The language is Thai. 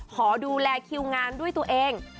ขอดูแลคิวงานด้วยตัวเอง